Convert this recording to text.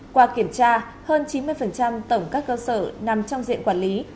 qua kiểm tra hơn chín mươi tổng các cơ sở nằm trong diện quản lý